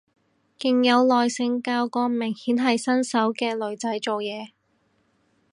勁有耐性教個明顯係新手嘅女仔做嘢